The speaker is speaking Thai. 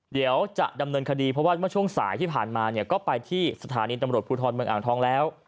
เดี๋ยวจะดำเนินคดีเพราะว่าเมื่อช่วงสายที่ผ่านมาเนี่ยก็ไปที่สถานีตำรวจภูทรเมืองอ่างทองแล้ว